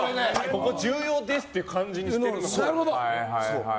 ここ重要です！っていう感じにしてるのかもしれない。